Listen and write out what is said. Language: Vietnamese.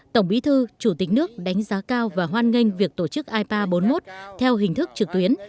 tổng bí thư chủ tịch nước đánh giá cao và hoan nghênh việc tổ chức ipa bốn mươi một theo hình thức trực tuyến